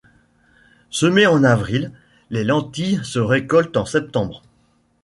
Semées en avril, les lentilles se récoltent en septembre.